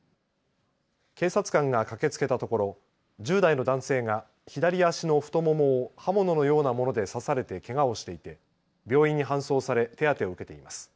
警察官が駆けつけたところ１０代の男性が左足の太ももを刃物のようなもので刺されてけがをしていて病院に搬送され手当てを受けています。